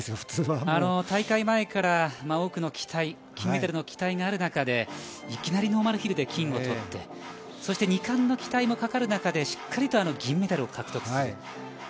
大会前から多くの期待金メダルの期待がある中でいきなりノーマルヒルで金を取って２冠の期待もかかる中でしっかりと銀メダルを獲得する。